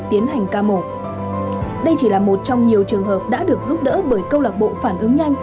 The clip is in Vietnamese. tiến hành ca mổ đây chỉ là một trong nhiều trường hợp đã được giúp đỡ bởi câu lạc bộ phản ứng nhanh